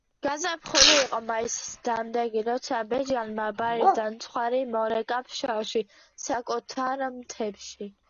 გაზაფხული იყო, მაისის დამდეგი, როცა ბეჟანმა ბარიდან ცხვარი მორეკა ფშავში, საკუთარ მთებში.